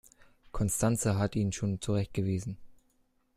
Constanze hat ihn schon zurechtgewiesen.